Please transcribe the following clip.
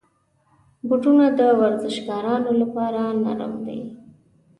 بوټونه د ورزشکارانو لپاره نرم وي.